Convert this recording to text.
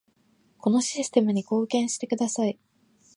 このシステムに貢献してください